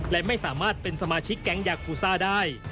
และไม่สามารถเป็นสมาชิกแก๊งยากูซ่าได้